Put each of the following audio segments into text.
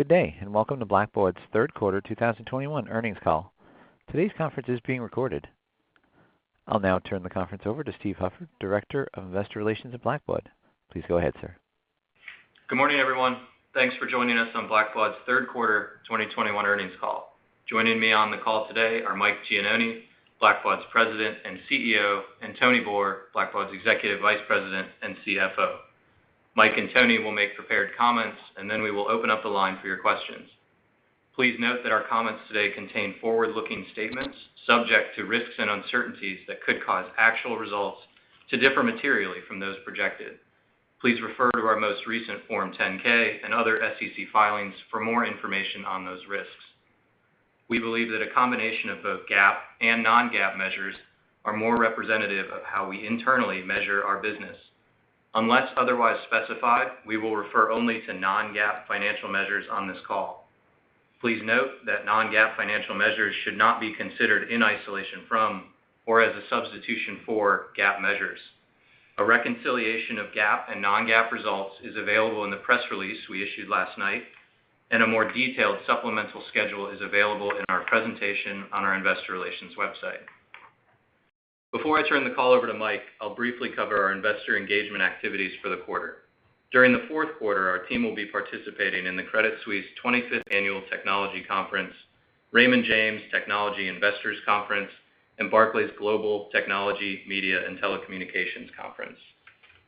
Good day, and welcome to Blackbaud's third quarter 2021 earnings call. Today's conference is being recorded. I'll now turn the conference over to Steve Hufford, Director of Investor Relations at Blackbaud. Please go ahead, sir. Good morning, everyone. Thanks for joining us on Blackbaud's third quarter 2021 earnings call. Joining me on the call today are Mike Gianoni, Blackbaud's President and CEO, and Tony Boor, Blackbaud's Executive Vice President and CFO. Mike and Tony will make prepared comments, and then we will open up the line for your questions. Please note that our comments today contain forward-looking statements subject to risks and uncertainties that could cause actual results to differ materially from those projected. Please refer to our most recent Form 10-K and other SEC filings for more information on those risks. We believe that a combination of both GAAP and non-GAAP measures are more representative of how we internally measure our business. Unless otherwise specified, we will refer only to non-GAAP financial measures on this call. Please note that non-GAAP financial measures should not be considered in isolation from or as a substitution for GAAP measures. A reconciliation of GAAP and non-GAAP results is available in the press release we issued last night, and a more detailed supplemental schedule is available in our presentation on our investor relations website. Before I turn the call over to Mike, I'll briefly cover our investor engagement activities for the quarter. During the fourth quarter, our team will be participating in the Credit Suisse 25th Annual Technology Conference, Raymond James Technology Investors Conference, and Barclays Global Technology, Media and Telecommunications Conference.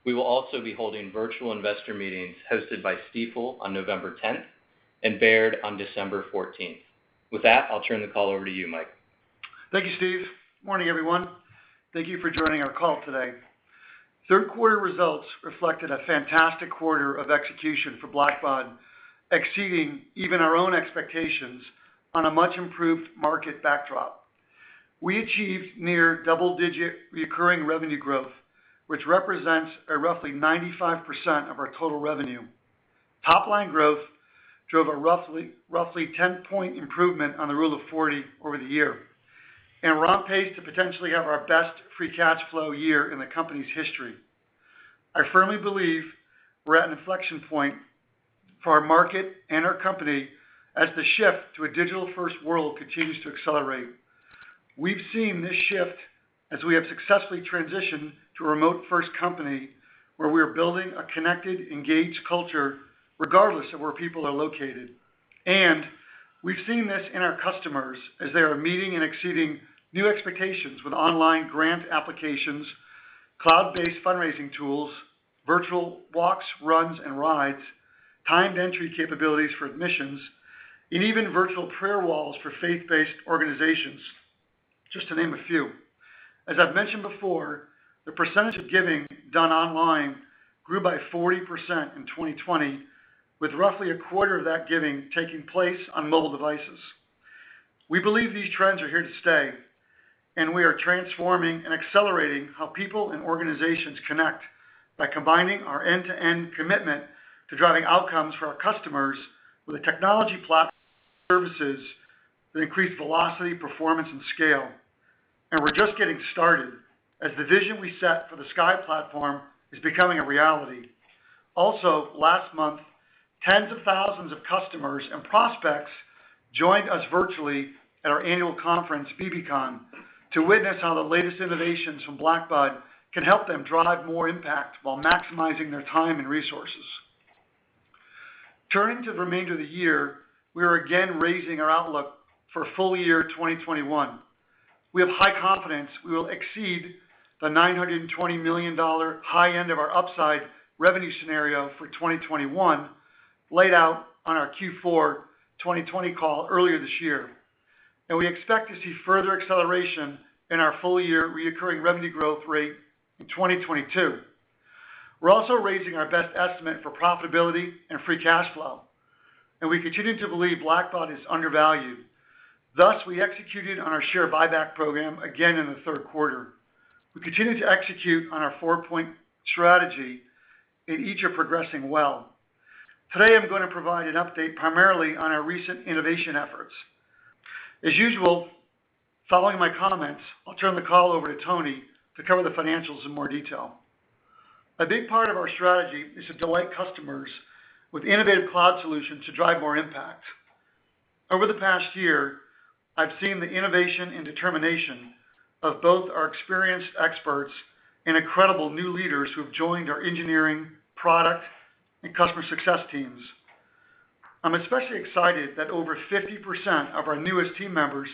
We will also be holding virtual investor meetings hosted by Stifel on November 10th and Baird on December 14th. With that, I'll turn the call over to you, Mike. Thank you, Steve. Morning, everyone. Thank you for joining our call today. Third quarter results reflected a fantastic quarter of execution for Blackbaud, exceeding even our own expectations on a much-improved market backdrop. We achieved near double-digit recurring revenue growth, which represents a roughly 95% of our total revenue. Top line growth drove a roughly 10-point improvement on the Rule of 40 over the year, and we're on pace to potentially have our best free cash flow year in the company's history. I firmly believe we're at an inflection point for our market and our company as the shift to a digital-first world continues to accelerate. We've seen this shift as we have successfully transitioned to a remote-first company where we are building a connected, engaged culture regardless of where people are located. We've seen this in our customers as they are meeting and exceeding new expectations with online grant applications, cloud-based fundraising tools, virtual walks, runs, and rides, timed entry capabilities for admissions, and even virtual prayer walls for faith-based organizations, just to name a few. As I've mentioned before, the percentage of giving done online grew by 40% in 2020, with roughly a quarter of that giving taking place on mobile devices. We believe these trends are here to stay, and we are transforming and accelerating how people and organizations connect by combining our end-to-end commitment to driving outcomes for our customers with a technology platform services that increase velocity, performance, and scale. We're just getting started as the vision we set for the SKY platform is becoming a reality. Also, last month, tens of thousands of customers and prospects joined us virtually at our annual conference, bbcon, to witness how the latest innovations from Blackbaud can help them drive more impact while maximizing their time and resources. Turning to the remainder of the year, we are again raising our outlook for full year 2021. We have high confidence we will exceed the $920 million high end of our upside revenue scenario for 2021 laid out on our Q4 2020 call earlier this year. We expect to see further acceleration in our full year recurring revenue growth rate in 2022. We're also raising our best estimate for profitability and free cash flow, and we continue to believe Blackbaud is undervalued. Thus, we executed on our share buyback program again in the third quarter. We continue to execute on our four-point strategy, and each are progressing well. Today, I'm going to provide an update primarily on our recent innovation efforts. As usual, following my comments, I'll turn the call over to Tony to cover the financials in more detail. A big part of our strategy is to delight customers with innovative cloud solutions to drive more impact. Over the past year, I've seen the innovation and determination of both our experienced experts and incredible new leaders who have joined our engineering, product, and customer success teams. I'm especially excited that over 50% of our newest team members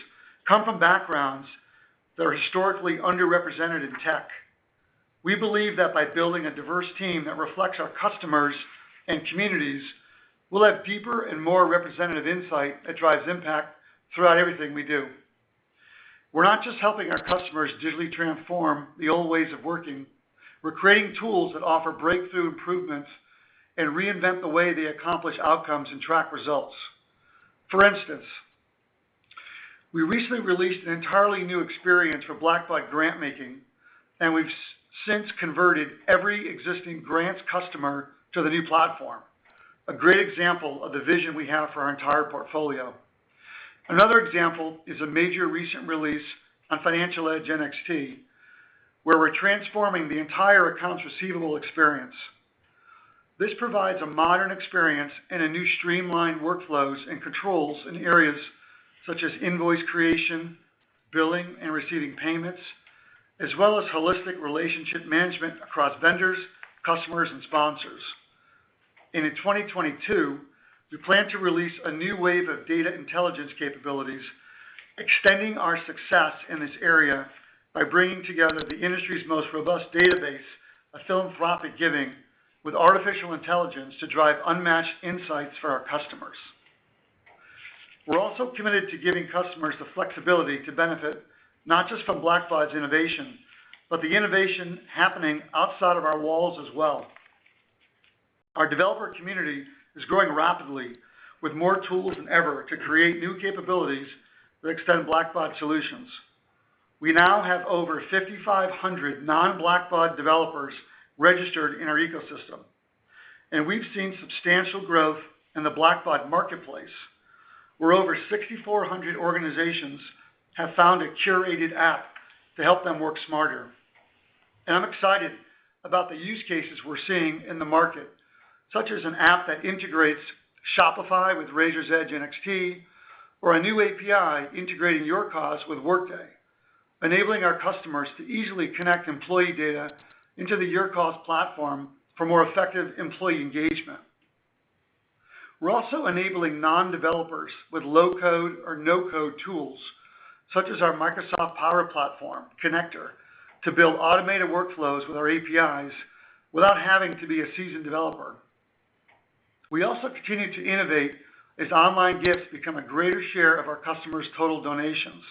come from backgrounds that are historically underrepresented in tech. We believe that by building a diverse team that reflects our customers and communities, we'll have deeper and more representative insight that drives impact throughout everything we do. We're not just helping our customers digitally transform the old ways of working. We're creating tools that offer breakthrough improvements and reinvent the way they accomplish outcomes and track results. For instance, we recently released an entirely new experience for Blackbaud Grantmaking, and we've since converted every existing grants customer to the new platform. A great example of the vision we have for our entire portfolio. Another example is a major recent release on Financial Edge NXT where we're transforming the entire accounts receivable experience. This provides a modern experience and a new streamlined workflows and controls in areas such as invoice creation, billing, and receiving payments, as well as holistic relationship management across vendors, customers, and sponsors. In 2022, we plan to release a new wave of data intelligence capabilities, extending our success in this area by bringing together the industry's most robust database of philanthropic giving with artificial intelligence to drive unmatched insights for our customers. We're also committed to giving customers the flexibility to benefit not just from Blackbaud's innovation, but the innovation happening outside of our walls as well. Our developer community is growing rapidly with more tools than ever to create new capabilities that extend Blackbaud solutions. We now have over 5,500 non-Blackbaud developers registered in our ecosystem, and we've seen substantial growth in the Blackbaud Marketplace, where over 6,400 organizations have found a curated app to help them work smarter. I'm excited about the use cases we're seeing in the market, such as an app that integrates Shopify with Raiser's Edge NXT or a new API integrating YourCause with Workday, enabling our customers to easily connect employee data into the YourCause platform for more effective employee engagement. We're also enabling non-developers with low-code or no-code tools, such as our Microsoft Power Platform connector, to build automated workflows with our APIs without having to be a seasoned developer. We also continue to innovate as online gifts become a greater share of our customers' total donations.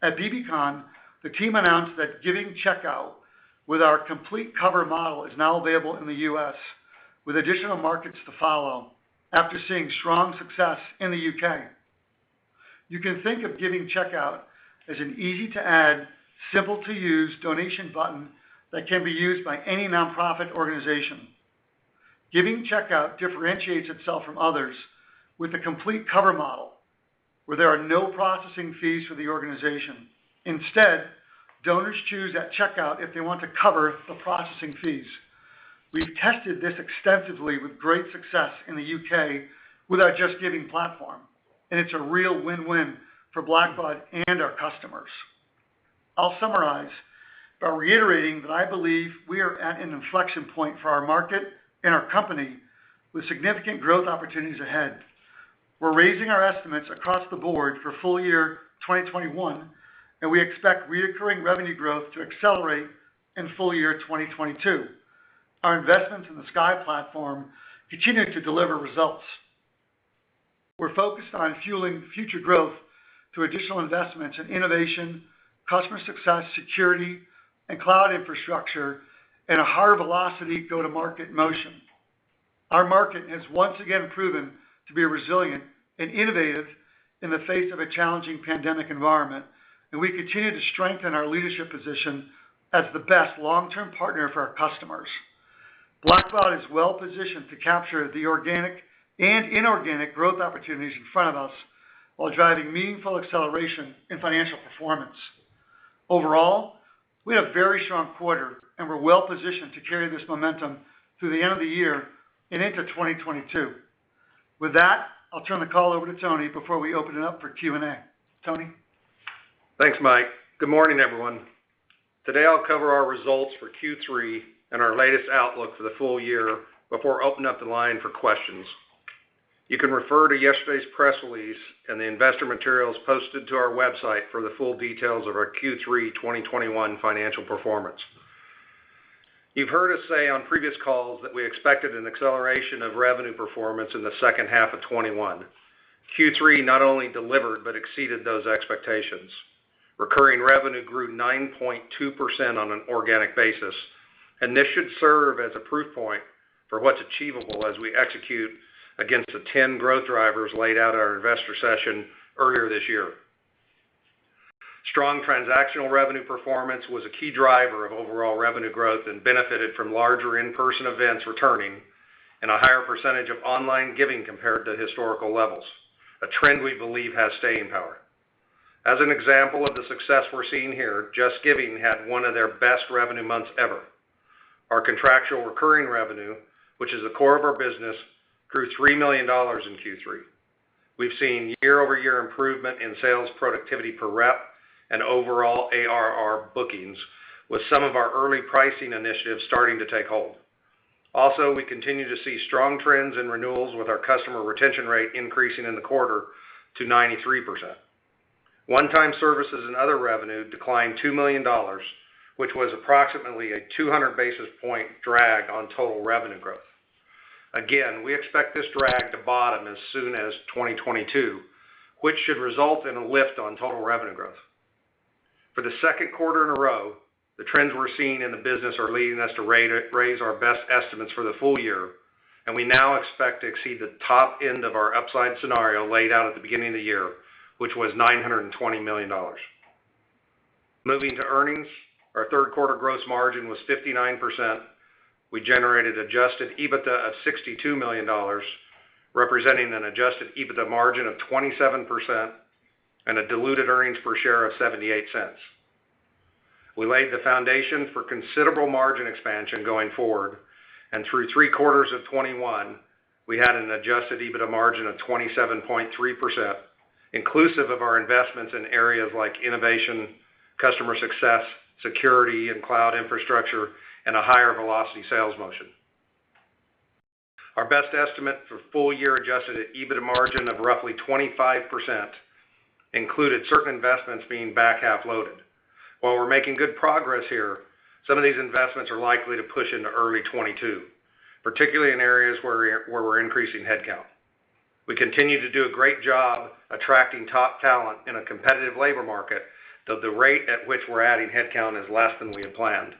At bbcon, the team announced that Giving Checkout with our Complete Cover model is now available in the U.S. with additional markets to follow after seeing strong success in the U.K. You can think of Giving Checkout as an easy-to-add, simple-to-use donation button that can be used by any nonprofit organization. Giving Checkout differentiates itself from others with a complete cover model where there are no processing fees for the organization. Instead, donors choose at checkout if they want to cover the processing fees. We've tested this extensively with great success in the U.K. with our JustGiving platform, and it's a real win-win for Blackbaud and our customers. I'll summarize by reiterating that I believe we are at an inflection point for our market and our company with significant growth opportunities ahead. We're raising our estimates across the board for full year 2021, and we expect recurring revenue growth to accelerate in full year 2022. Our investments in the SKY platform continue to deliver results. We're focused on fueling future growth through additional investments in innovation, customer success, security, and cloud infrastructure at a higher velocity go-to-market motion. Our market has once again proven to be resilient and innovative in the face of a challenging pandemic environment, and we continue to strengthen our leadership position as the best long-term partner for our customers. Blackbaud is well positioned to capture the organic and inorganic growth opportunities in front of us while driving meaningful acceleration in financial performance. Overall, we had a very strong quarter, and we're well positioned to carry this momentum through the end of the year and into 2022. With that, I'll turn the call over to Tony before we open it up for Q&A. Tony? Thanks, Mike. Good morning, everyone. Today, I'll cover our results for Q3 and our latest outlook for the full year before opening up the line for questions. You can refer to yesterday's press release and the investor materials posted to our website for the full details of our Q3 2021 financial performance. You've heard us say on previous calls that we expected an acceleration of revenue performance in the second half of 2021. Q3 not only delivered but exceeded those expectations. Recurring revenue grew 9.2% on an organic basis, and this should serve as a proof point for what's achievable as we execute against the 10 growth drivers laid out at our investor session earlier this year. Strong transactional revenue performance was a key driver of overall revenue growth and benefited from larger in-person events returning and a higher percentage of online giving compared to historical levels, a trend we believe has staying power. As an example of the success we're seeing here, JustGiving had one of their best revenue months ever. Our contractual recurring revenue, which is the core of our business, grew $3 million in Q3. We've seen year-over-year improvement in sales productivity per rep and overall ARR bookings, with some of our early pricing initiatives starting to take hold. Also, we continue to see strong trends in renewals with our customer retention rate increasing in the quarter to 93%. One-time services and other revenue declined $2 million, which was approximately a 200 basis point drag on total revenue growth. Again, we expect this drag to bottom as soon as 2022, which should result in a lift on total revenue growth. For the second quarter in a row, the trends we're seeing in the business are leading us to raise our best estimates for the full year, and we now expect to exceed the top end of our upside scenario laid out at the beginning of the year, which was $920 million. Moving to earnings, our third quarter gross margin was 59%. We generated adjusted EBITDA of $62 million, representing an adjusted EBITDA margin of 27% and a diluted earnings per share of $0.78. We laid the foundation for considerable margin expansion going forward, and through three quarters of 2021, we had an adjusted EBITDA margin of 27.3%, inclusive of our investments in areas like innovation, customer success, security and cloud infrastructure, and a higher velocity sales motion. Our best estimate for full year adjusted EBITDA margin of roughly 25% included certain investments being back half loaded. While we're making good progress here, some of these investments are likely to push into early 2022, particularly in areas where we're increasing headcount. We continue to do a great job attracting top talent in a competitive labor market, though the rate at which we're adding headcount is less than we had planned.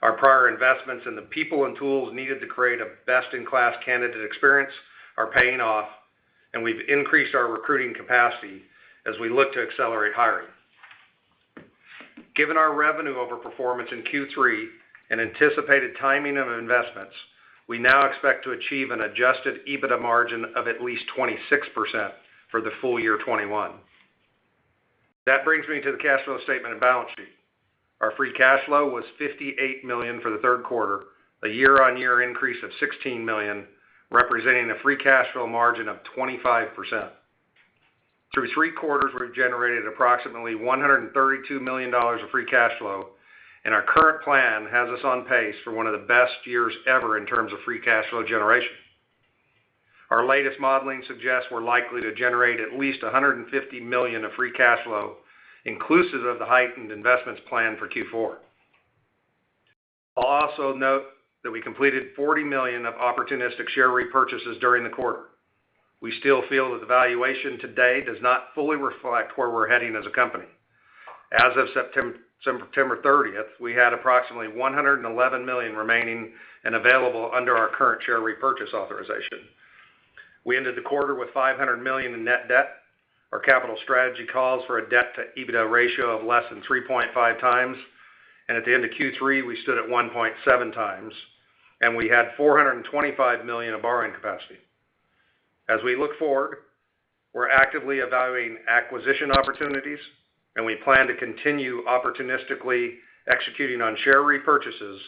Our prior investments in the people and tools needed to create a best-in-class candidate experience are paying off, and we've increased our recruiting capacity as we look to accelerate hiring. Given our revenue overperformance in Q3 and anticipated timing of investments, we now expect to achieve an adjusted EBITDA margin of at least 26% for the full year 2021. That brings me to the cash flow statement and balance sheet. Our free cash flow was $58 million for the third quarter, a year-on-year increase of $16 million, representing a free cash flow margin of 25%. Through three quarters, we've generated approximately $132 million of free cash flow, and our current plan has us on pace for one of the best years ever in terms of free cash flow generation. Our latest modeling suggests we're likely to generate at least $150 million of free cash flow inclusive of the heightened investments planned for Q4. I'll also note that we completed $40 million of opportunistic share repurchases during the quarter. We still feel that the valuation today does not fully reflect where we're heading as a company. As of September 30, we had approximately $111 million remaining and available under our current share repurchase authorization. We ended the quarter with $500 million in net debt. Our capital strategy calls for a debt to EBITDA ratio of less than 3.5x. At the end of Q3, we stood at 1.7x, and we had $425 million of borrowing capacity. As we look forward, we're actively evaluating acquisition opportunities, and we plan to continue opportunistically executing on share repurchases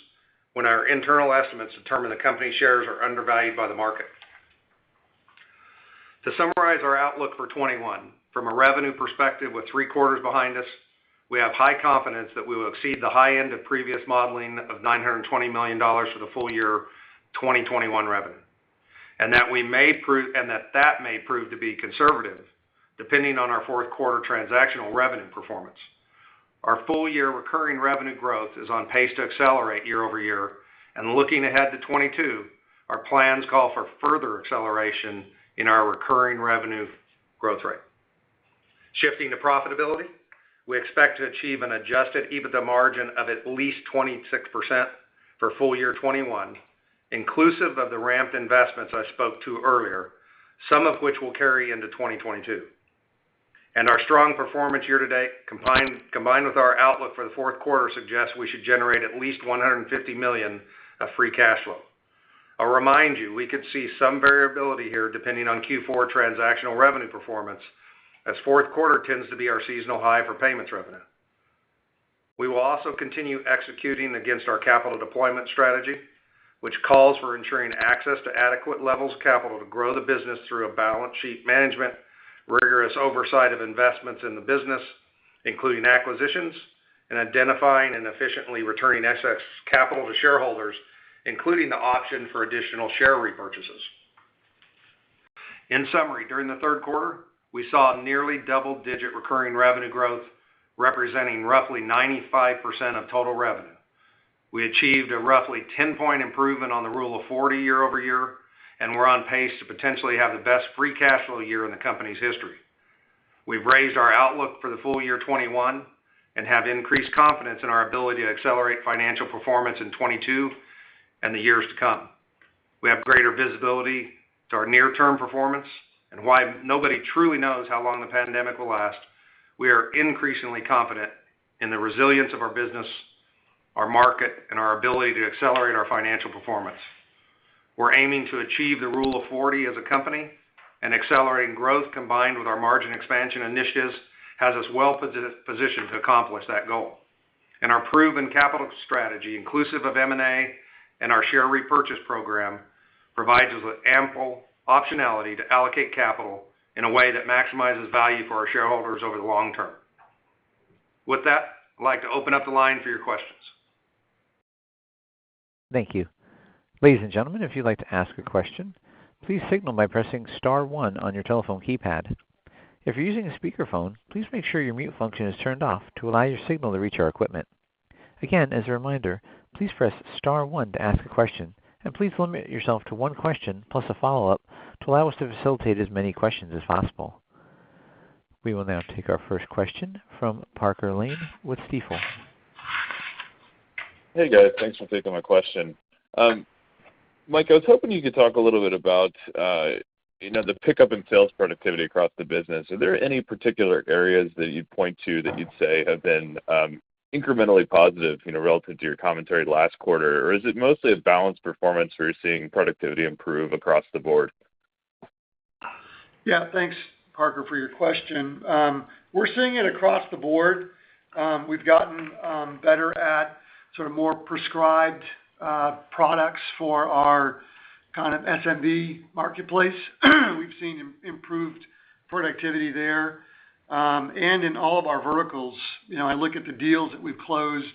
when our internal estimates determine the company shares are undervalued by the market. To summarize our outlook for 2021, from a revenue perspective, with three quarters behind us, we have high confidence that we will exceed the high end of previous modeling of $920 million for the full year 2021 revenue, and that may prove to be conservative, depending on our fourth quarter transactional revenue performance. Our full year recurring revenue growth is on pace to accelerate year-over-year. Looking ahead to 2022, our plans call for further acceleration in our recurring revenue growth rate. Shifting to profitability, we expect to achieve an adjusted EBITDA margin of at least 26% for full year 2021, inclusive of the ramped investments I spoke to earlier, some of which will carry into 2022. Our strong performance year to date, combined with our outlook for the fourth quarter, suggests we should generate at least $150 million of free cash flow. I'll remind you, we could see some variability here depending on Q4 transactional revenue performance, as fourth quarter tends to be our seasonal high for payments revenue. We will also continue executing against our capital deployment strategy, which calls for ensuring access to adequate levels of capital to grow the business through a balance sheet management, rigorous oversight of investments in the business, including acquisitions, and identifying and efficiently returning excess capital to shareholders, including the option for additional share repurchases. In summary, during the third quarter, we saw a nearly double-digit recurring revenue growth, representing roughly 95% of total revenue. We achieved a roughly 10-point improvement on the Rule of 40 year-over-year, and we're on pace to potentially have the best free cash flow year in the company's history. We've raised our outlook for the full year 2021 and have increased confidence in our ability to accelerate financial performance in 2022 and the years to come. We have greater visibility to our near-term performance. While nobody truly knows how long the pandemic will last, we are increasingly confident in the resilience of our business, our market, and our ability to accelerate our financial performance. We're aiming to achieve the Rule of 40 as a company, and accelerating growth combined with our margin expansion initiatives has us well positioned to accomplish that goal. Our proven capital strategy, inclusive of M&A and our share repurchase program, provides us with ample optionality to allocate capital in a way that maximizes value for our shareholders over the long term. With that, I'd like to open up the line for your questions. Thank you. Ladies and gentlemen, if you'd like to ask a question, please signal by pressing star one on your telephone keypad. If you're using a speakerphone, please make sure your mute function is turned off to allow your signal to reach our equipment. Again, as a reminder, please press star one to ask a question, and please limit yourself to one question plus a follow-up to allow us to facilitate as many questions as possible. We will now take our first question from Parker Lane with Stifel. Hey, guys. Thanks for taking my question. Mike, I was hoping you could talk a little bit about, you know, the pickup in sales productivity across the business. Are there any particular areas that you'd point to that you'd say have been incrementally positive, you know, relative to your commentary last quarter? Or is it mostly a balanced performance where you're seeing productivity improve across the board? Yeah. Thanks, Parker, for your question. We're seeing it across the board. We've gotten better at sort of more prescribed products for our kind of SMB marketplace. We've seen improved productivity there, and in all of our verticals. You know, I look at the deals that we've closed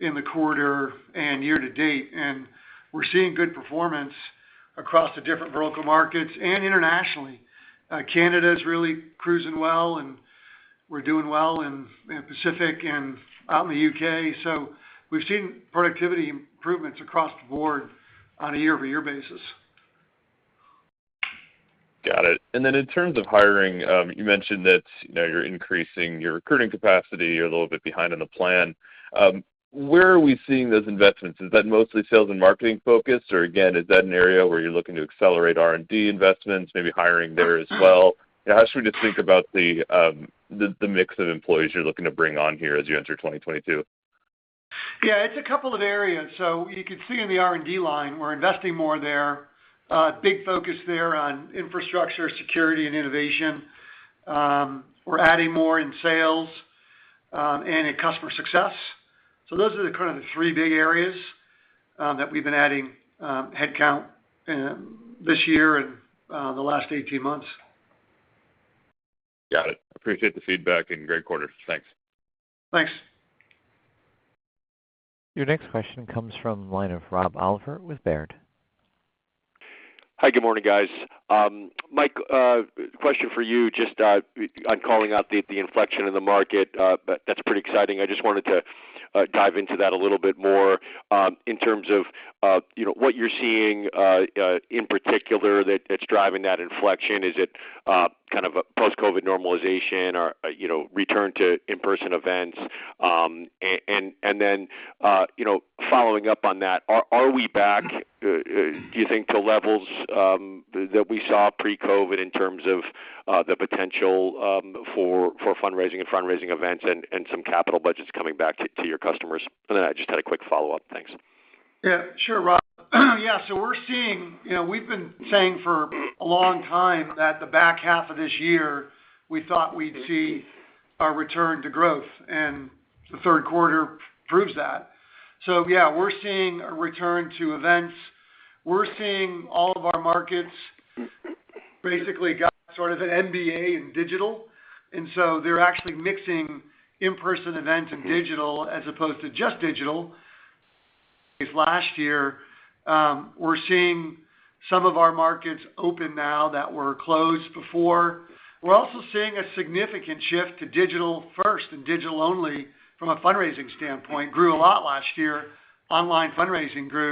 in the quarter and year to date, and we're seeing good performance across the different vertical markets and internationally. Canada is really cruising well, and we're doing well in Pacific and out in the U.K. We've seen productivity improvements across the board on a year-over-year basis. Got it. Then in terms of hiring, you mentioned that, you know, you're increasing your recruiting capacity. You're a little bit behind on the plan. Where are we seeing those investments? Is that mostly sales and marketing focused? Or again, is that an area where you're looking to accelerate R&D investments, maybe hiring there as well? How should we just think about the mix of employees you're looking to bring on here as you enter 2022? Yeah, it's a couple of areas. You could see in the R&D line, we're investing more there. Big focus there on infrastructure, security, and innovation. We're adding more in sales and in customer success. Those are the kind of the three big areas that we've been adding headcount in this year and the last 18 months. Got it. Appreciate the feedback, and great quarter. Thanks. Thanks. Your next question comes from the line of Rob Oliver with Baird. Hi. Good morning, guys. Mike, question for you, just on calling out the inflection in the market. That's pretty exciting. I just wanted to dive into that a little bit more, in terms of you know what you're seeing in particular that's driving that inflection. Is it kind of a post-COVID normalization or you know return to in-person events? You know following up on that, are we back do you think to levels that we saw pre-COVID in terms of the potential for fundraising and fundraising events and some capital budgets coming back to your customers? I just had a quick follow-up. Thanks. Yeah. Sure, Rob. Yeah. We're seeing you know, we've been saying for a long time that the back half of this year, we thought we'd see a return to growth, and the third quarter proves that. Yeah, we're seeing a return to events. We're seeing all of our markets basically got sort of an MBA in digital, and so they're actually mixing in-person events and digital as opposed to just digital, as last year. We're seeing some of our markets open now that were closed before. We're also seeing a significant shift to digital first and digital only from a fundraising standpoint. Online fundraising grew a lot last year,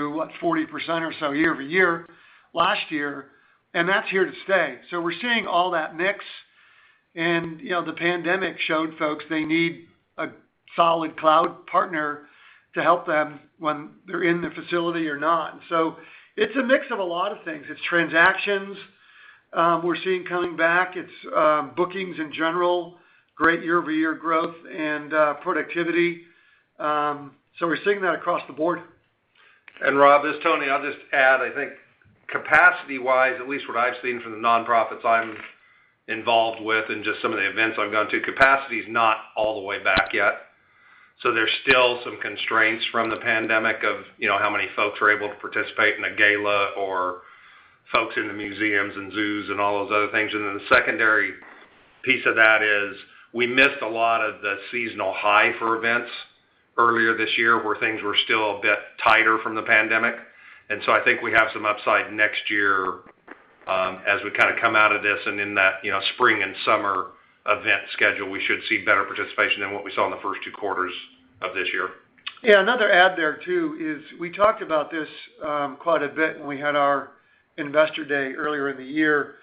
what, 40% or so year-over-year last year, and that's here to stay. We're seeing all that mix. You know, the pandemic showed folks they need a solid cloud partner to help them when they're in the facility or not. It's a mix of a lot of things. It's transactions, we're seeing coming back. It's bookings in general, great year-over-year growth and productivity. We're seeing that across the board. Rob, this is Tony. I'll just add, I think capacity-wise, at least what I've seen from the nonprofits I'm involved with and just some of the events I've gone to, capacity is not all the way back yet. There's still some constraints from the pandemic of, you know, how many folks are able to participate in a gala or folks in the museums and zoos and all those other things. The secondary piece of that is we missed a lot of the seasonal high for events earlier this year, where things were still a bit tighter from the pandemic. I think we have some upside next year, as we kind of come out of this, and in that, you know, spring and summer event schedule, we should see better participation than what we saw in the first two quarters of this year. Yeah. Another add there, too, is we talked about this quite a bit when we had our investor day earlier in the year.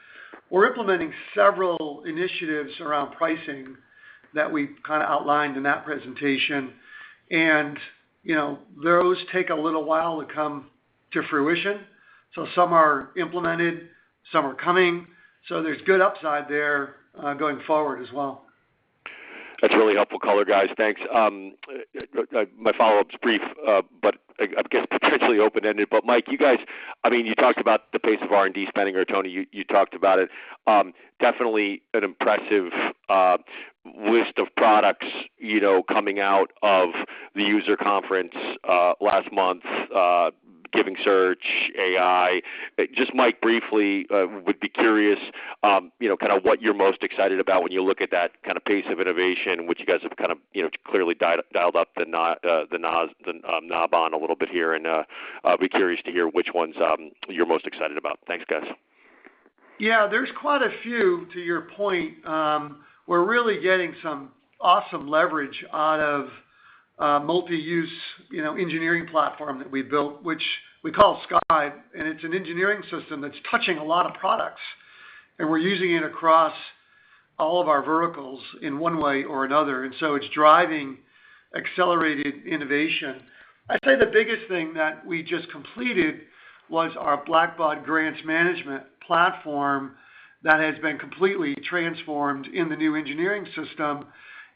We're implementing several initiatives around pricing that we kind of outlined in that presentation. You know, those take a little while to come to fruition. Some are implemented, some are coming, so there's good upside there going forward as well. That's really helpful color, guys. Thanks. My follow-up is brief, but I guess potentially open-ended. Mike, you guys, I mean, you talked about the pace of R&D spending, or Tony, you talked about it. Definitely an impressive list of products, you know, coming out of the user conference last month, GivingSearch, AI. Just Mike, briefly, would be curious, you know, kind of what you're most excited about when you look at that kind of pace of innovation, which you guys have kind of, you know, clearly dialed up the knob on a little bit here, and I'll be curious to hear which ones you're most excited about. Thanks, guys. Yeah, there's quite a few to your point. We're really getting some awesome leverage out of a multi-use, you know, engineering platform that we built, which we call SKY. It's an engineering system that's touching a lot of products, and we're using it across all of our verticals in one way or another. It's driving accelerated innovation. I'd say the biggest thing that we just completed was our Blackbaud Grantmaking platform that has been completely transformed in the new engineering system,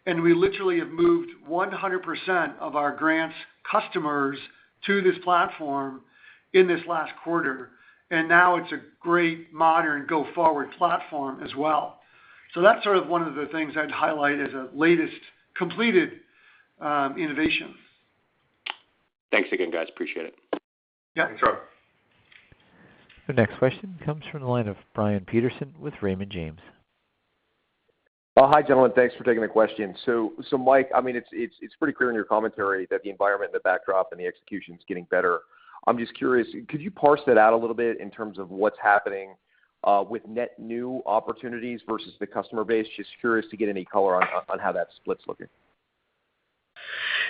and we literally have moved 100% of our grants customers to this platform in this last quarter. Now it's a great modern go-forward platform as well. That's sort of one of the things I'd highlight as a latest completed innovation. Thanks again, guys. Appreciate it. Yeah. Thanks, Rob. The next question comes from the line of Brian Peterson with Raymond James. Well, hi, gentlemen. Thanks for taking the question. Mike, I mean, it's pretty clear in your commentary that the environment, the backdrop, and the execution is getting better. I'm just curious, could you parse that out a little bit in terms of what's happening with net new opportunities versus the customer base? Just curious to get any color on how that split's looking.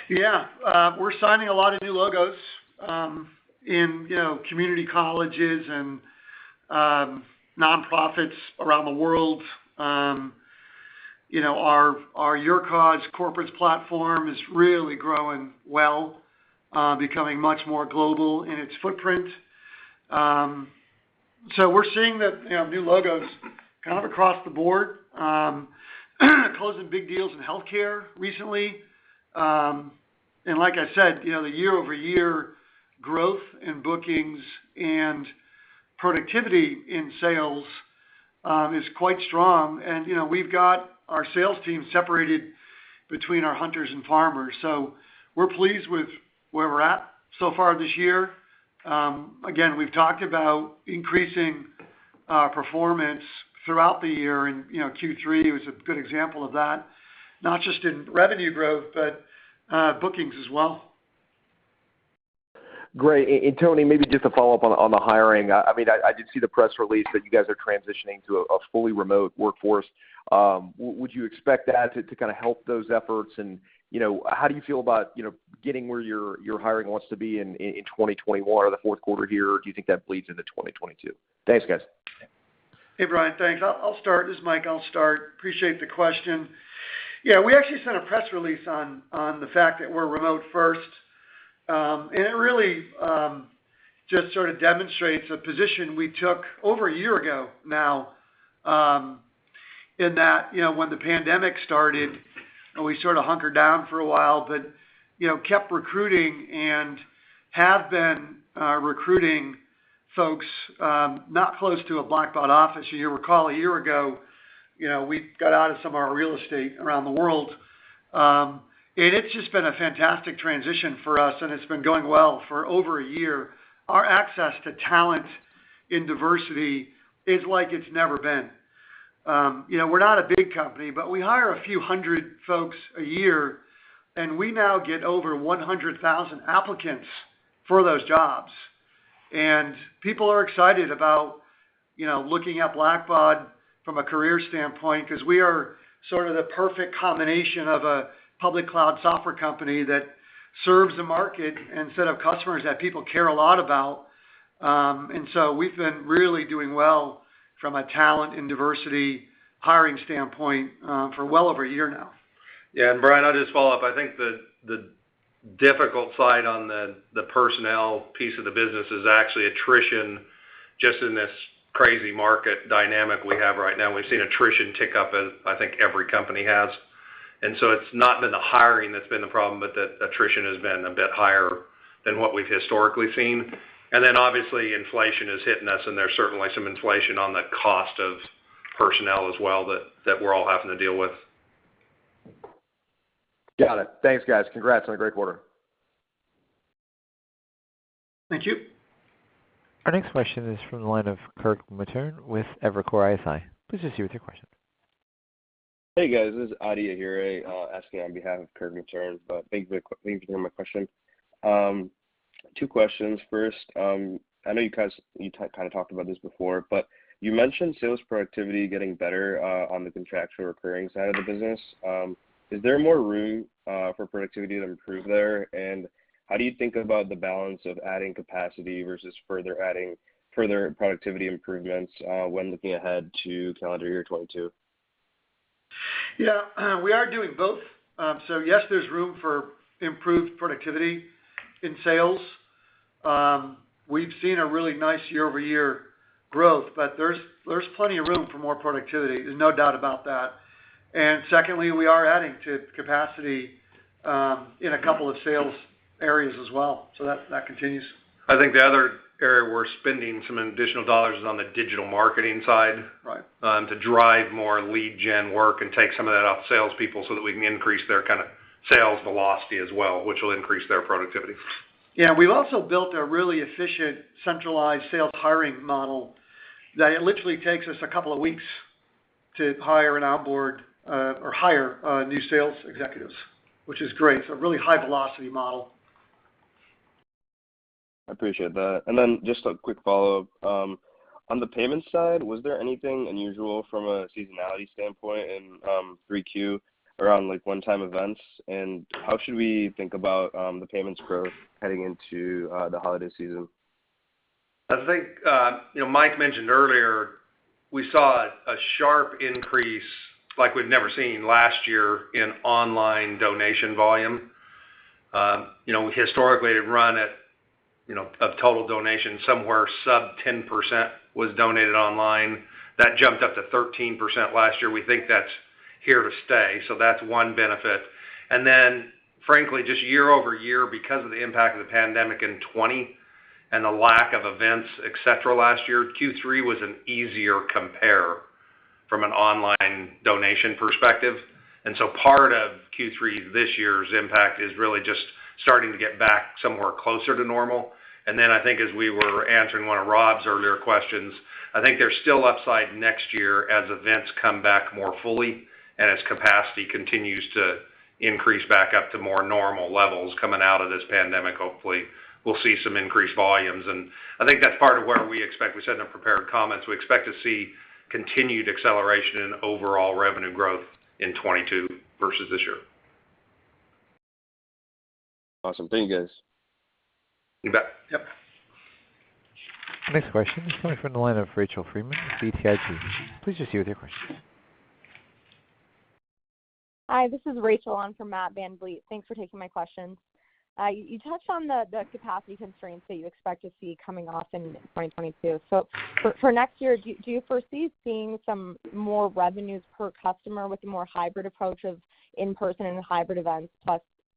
Yeah. We're signing a lot of new logos in, you know, community colleges and nonprofits around the world. You know, our YourCause corporate platform is really growing well, becoming much more global in its footprint. We're seeing that, you know, new logos kind of across the board, closing big deals in healthcare recently. Like I said, you know, the year-over-year growth in bookings and productivity in sales is quite strong. You know, we've got our sales team separated between our hunters and farmers. We're pleased with where we're at so far this year. Again, we've talked about increasing performance throughout the year, and you know Q3 was a good example of that, not just in revenue growth, but bookings as well. Great. Tony, maybe just a follow-up on the hiring. I mean, I did see the press release that you guys are transitioning to a fully remote workforce. Would you expect that to kind of help those efforts? You know, how do you feel about getting where your hiring wants to be in 2021 or the fourth quarter here? Do you think that bleeds into 2022? Thanks, guys. Hey, Brian. Thanks. I'll start. This is Mike. Appreciate the question. Yeah. We actually sent a press release on the fact that we're remote first. It really just sort of demonstrates a position we took over a year ago now, in that, you know, when the pandemic started, and we sort of hunkered down for a while, but, you know, kept recruiting and have been recruiting folks not close to a Blackbaud office. You recall a year ago, you know, we got out of some of our real estate around the world. It's just been a fantastic transition for us, and it's been going well for over a year. Our access to talent in diversity is like it's never been. You know, we're not a big company, but we hire a few hundred folks a year, and we now get over 100,000 applicants for those jobs. People are excited about, you know, looking at Blackbaud from a career standpoint 'cause we are sort of the perfect combination of a public cloud software company that serves the market and set of customers that people care a lot about. We've been really doing well from a talent and diversity hiring standpoint for well over a year now. Yeah. Brian, I'll just follow up. I think the difficult side on the personnel piece of the business is actually attrition just in this crazy market dynamic we have right now. We've seen attrition tick up, as I think every company has. It's not been the hiring that's been the problem, but the attrition has been a bit higher than what we've historically seen. Obviously, inflation is hitting us, and there's certainly some inflation on the cost of personnel as well that we're all having to deal with. Got it. Thanks, guys. Congrats on a great quarter. Thank you. Our next question is from the line of Kirk Materne with Evercore ISI. Please proceed with your question. Hey, guys. This is Adia here, asking on behalf of Kirk Materne, but thanks for taking my question. Two questions. First, I know you guys, you kind of talked about this before, but you mentioned sales productivity getting better on the contractual recurring side of the business. Is there more room for productivity to improve there? And how do you think about the balance of adding capacity versus further adding productivity improvements when looking ahead to calendar year 2022? Yeah. We are doing both. Yes, there's room for improved productivity in sales. We've seen a really nice year-over-year growth, but there's plenty of room for more productivity. There's no doubt about that. Secondly, we are adding to capacity in a couple of sales areas as well, so that continues. I think the other area we're spending some additional dollars is on the digital marketing side. Right. To drive more lead gen work and take some of that off salespeople so that we can increase their kind of sales velocity as well, which will increase their productivity. Yeah. We've also built a really efficient centralized sales hiring model that it literally takes us a couple of weeks to hire and onboard or hire new sales executives, which is great. It's a really high velocity model. I appreciate that. Just a quick follow-up. On the payment side, was there anything unusual from a seasonality standpoint in 3Q around, like, one-time events? How should we think about the payments growth heading into the holiday season? I think, you know, Mike mentioned earlier we saw a sharp increase like we've never seen last year in online donation volume. You know, historically, it run at, you know, of total donations, somewhere sub 10% was donated online. That jumped up to 13% last year. We think that's here to stay, so that's one benefit. Frankly, just year-over-year, because of the impact of the pandemic in 2020 and the lack of events, et cetera, last year, Q3 was an easier compare from an online donation perspective. Part of Q3 this year's impact is really just starting to get back somewhere closer to normal. I think as we were answering one of Rob's earlier questions, I think there's still upside next year as events come back more fully and as capacity continues to increase back up to more normal levels coming out of this pandemic. Hopefully, we'll see some increased volumes. I think that's part of where we expect. We said in our prepared comments, we expect to see continued acceleration in overall revenue growth in 2022 versus this year. Awesome. Thank you, guys. You bet. Yep. Next question is coming from the line of Rachel Freeman with BTIG. Please just hear their question. Hi, this is Rachel. I'm from Matt VanVliet. Thanks for taking my questions. You touched on the capacity constraints that you expect to see coming off in 2022. For next year, do you foresee seeing some more revenues per customer with a more hybrid approach of in-person and hybrid events,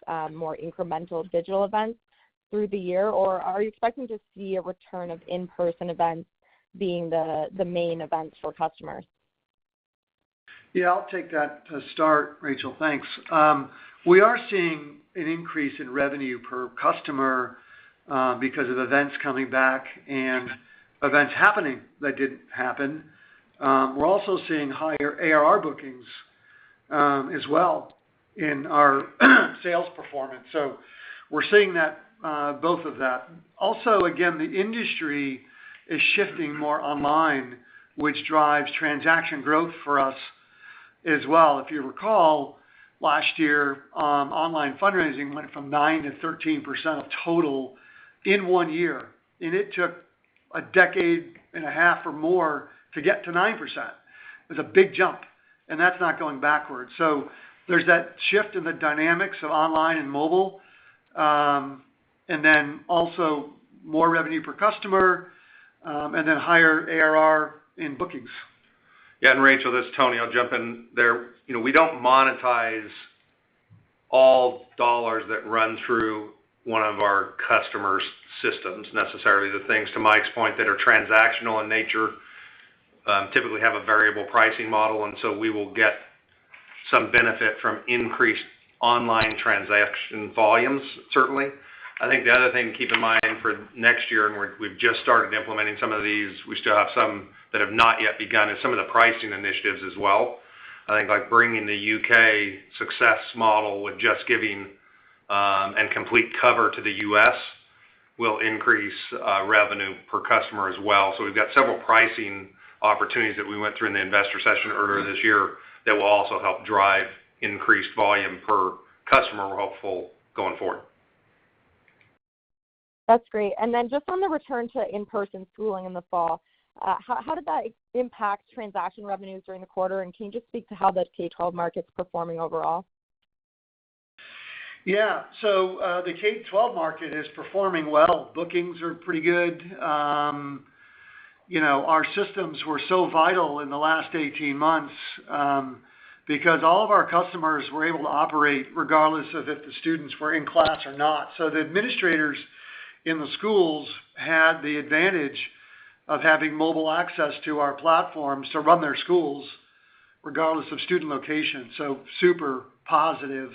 plus more incremental digital events through the year? Or are you expecting to see a return of in-person events being the main events for customers? Yeah, I'll take that to start, Rachel. Thanks. We are seeing an increase in revenue per customer, because of events coming back and events happening that didn't happen. We're also seeing higher ARR bookings, as well in our sales performance. We're seeing that, both of that. Also, again, the industry is shifting more online, which drives transaction growth for us as well. If you recall, last year, online fundraising went from 9%-13% of total in one year, and it took a decade and a half or more to get to 9%. It was a big jump, and that's not going backwards. There's that shift in the dynamics of online and mobile, and then also more revenue per customer, and then higher ARR in bookings. Yeah, Rachel, this is Tony. I'll jump in there. You know, we don't monetize all dollars that run through one of our customers' systems necessarily. The things, to Mike's point, that are transactional in nature typically have a variable pricing model, and so we will get some benefit from increased online transaction volumes, certainly. I think the other thing to keep in mind for next year, and we've just started implementing some of these, we still have some that have not yet begun, is some of the pricing initiatives as well. I think like bringing the U.K. success model with JustGiving and Complete Cover to the U.S. will increase revenue per customer as well. We've got several pricing opportunities that we went through in the investor session earlier this year that will also help drive increased volume per customer, we're hopeful, going forward. That's great. Just on the return to in-person schooling in the fall, how did that impact transaction revenues during the quarter? Can you just speak to how the K12 market's performing overall? Yeah. The K12 market is performing well. Bookings are pretty good. You know, our systems were so vital in the last 18 months, because all of our customers were able to operate regardless of if the students were in class or not. The administrators in the schools had the advantage of having mobile access to our platforms to run their schools regardless of student location. Super positive.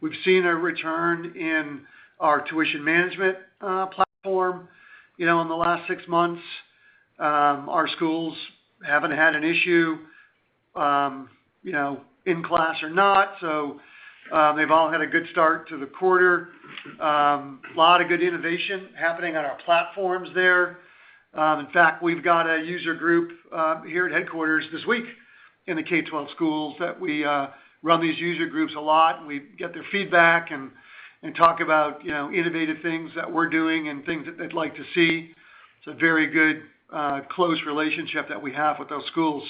We've seen a return in our tuition management platform. You know, in the last six months, our schools haven't had an issue, you know, in class or not. They've all had a good start to the quarter. A lot of good innovation happening on our platforms there. In fact, we've got a user group here at headquarters this week in the K12 schools that we run these user groups a lot, and we get their feedback and talk about, you know, innovative things that we're doing and things that they'd like to see. It's a very good close relationship that we have with those schools.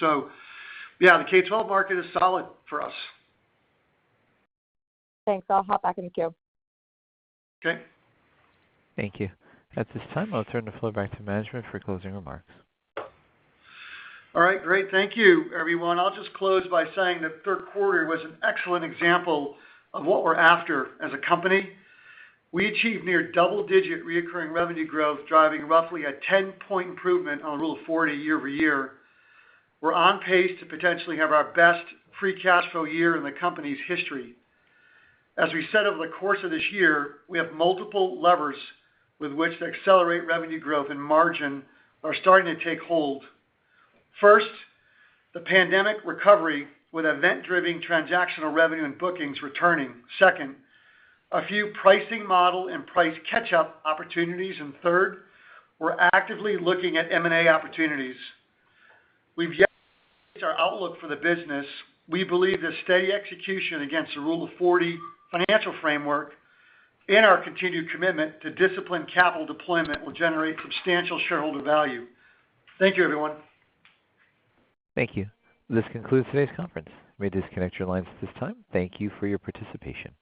Yeah, the K12 market is solid for us. Thanks. I'll hop back in the queue. Okay. Thank you. At this time, I'll turn the floor back to management for closing remarks. All right, great. Thank you, everyone. I'll just close by saying the third quarter was an excellent example of what we're after as a company. We achieved near double-digit recurring revenue growth, driving roughly a 10-point improvement on Rule of 40 year-over-year. We're on pace to potentially have our best free cash flow year in the company's history. As we said over the course of this year, we have multiple levers with which to accelerate revenue growth, and margin are starting to take hold. First, the pandemic recovery with event-driven transactional revenue and bookings returning. Second, a few pricing model and price catch-up opportunities. Third, we're actively looking at M&A opportunities. We've yet to reach our outlook for the business. We believe that steady execution against the Rule of 40 financial framework and our continued commitment to disciplined capital deployment will generate substantial shareholder value. Thank you, everyone. Thank you. This concludes today's conference. You may disconnect your lines at this time. Thank you for your participation.